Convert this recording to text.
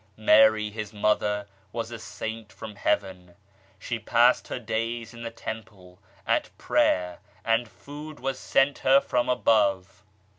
Mary, His mother, was a saint from Heaven. She passed her days in the Temple at prayer and food was sent her from above.